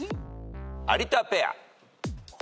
有田ペア。